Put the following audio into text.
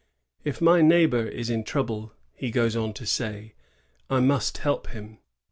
^*If my neighbor is in trouble," he goes on to say, *^I must help him."